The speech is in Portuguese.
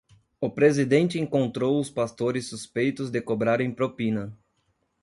O presidente encontrou os pastores suspeitos de cobrarem propina